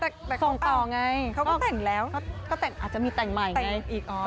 เขาก็แต่งแล้วอาจจะมีแต่งต่ออีก